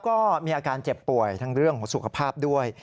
ก็มีอาการเจ็บป่วยทั้งเรื่องของสุขภาพด้วย